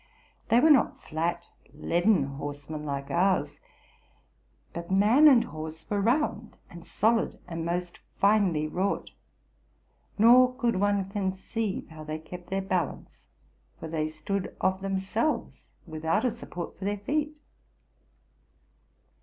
They were not flat, leaden horsemen like ours; but man and horse were round and solid, and most finely wrought: nor could one conceive how they kept their balance; for they stood of themselves, without a support for their feet.